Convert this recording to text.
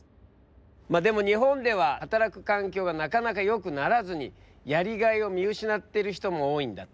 まあでも日本では働く環境がなかなかよくならずにやりがいを見失ってる人も多いんだって。